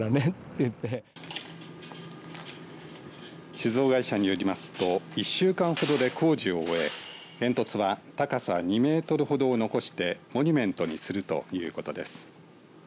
酒造会社によりますと１週間ほどで工事を終え煙突は高さ２メートルほどを残してモニュメントにするということです。